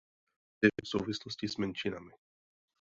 Tresty smrti se vynášejí především v souvislosti s menšinami.